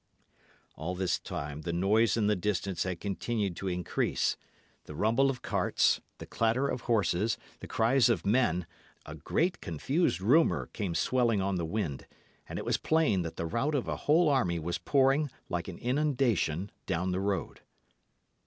All this time the noise in the distance had continued to increase; the rumble of carts, the clatter of horses, the cries of men, a great, confused rumour, came swelling on the wind; and it was plain that the rout of a whole army was pouring, like an inundation, down the road.